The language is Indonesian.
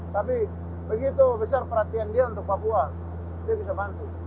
tapi begitu besar perhatian dia untuk papua dia bisa bantu